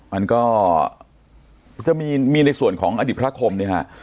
มันก็จะมีในส่วนของอดีตพระคมเนี่ยฮะ